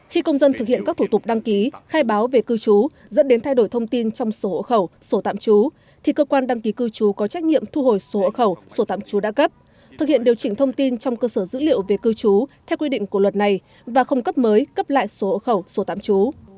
khi công dân thực hiện các thủ tục đăng ký khai báo về cư trú dẫn đến thay đổi thông tin trong số hộ khẩu sổ tạm trú thì cơ quan đăng ký cư trú có trách nhiệm thu hồi số hộ khẩu số tạm trú đã cấp thực hiện điều chỉnh thông tin trong cơ sở dữ liệu về cư trú theo quy định của luật này và không cấp mới cấp lại số hộ khẩu số tạm trú